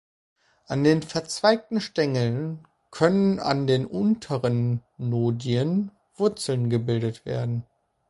An den verzweigten Stängeln können an den unteren Nodien Wurzeln gebildet werden.